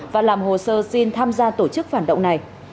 và làm hồ sơ xin tham gia tổ chức phản động này